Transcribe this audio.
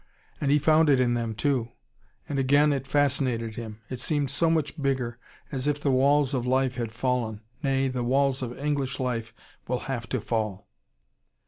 And he found it in them, too. And again it fascinated him. It seemed so much bigger, as if the walls of life had fallen. Nay, the walls of English life will have to fall.